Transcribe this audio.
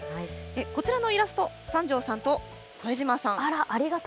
こちらのイラスト、三條さんと副島さん。